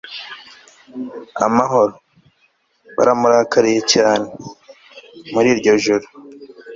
amahoro. baramurakariye cyane. muri iryo joro